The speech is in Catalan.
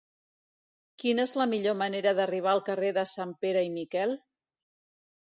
Quina és la millor manera d'arribar al carrer de Sanpere i Miquel?